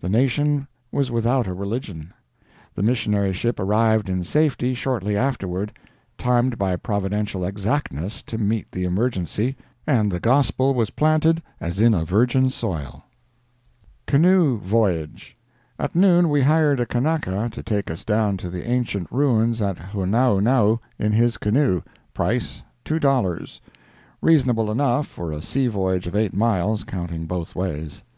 The nation was without a religion. The missionary ship arrived in safety shortly afterward, timed by providential exactness to meet the emergency, and the gospel was planted as in a virgin soil. CANOE VOYAGE At noon, we hired a Kanaka to take us down to the ancient ruins at Honaunau in his canoe—price two dollars—reasonable enough, for a sea voyage of eight miles, counting both ways.